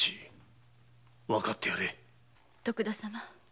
徳田様